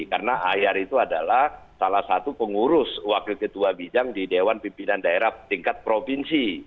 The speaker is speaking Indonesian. karena akhir itu adalah salah satu pengurus wakil ketua bidang di dewan pimpinan daerah tingkat provinsi